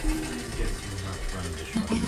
Fue educada en casa por su propia madre.